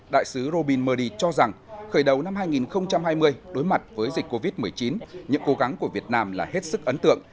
đại sứ robin murdy cho rằng khởi đầu năm hai nghìn hai mươi đối mặt với dịch covid một mươi chín những cố gắng của việt nam là hết sức ấn tượng